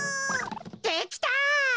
できた！